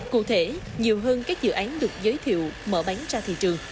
cụ thể nhiều hơn các dự án được giới thiệu mở bán ra thị trường